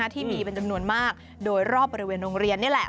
ที่มีเป็นจำนวนมากโดยรอบบริเวณโรงเรียนนี่แหละ